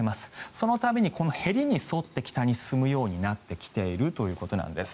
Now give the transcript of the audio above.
そのために、へりに沿って北に進むようになってきているということです。